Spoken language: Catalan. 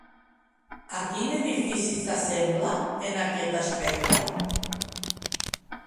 A quin edifici s'assembla, en aquest aspecte?